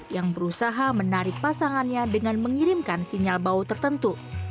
yang berusaha menarik pasangannya dengan mengirimkan sinyal bau tertentu